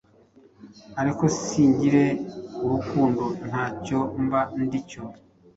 ariko singire urukundo, nta cyo mba ndi cyo.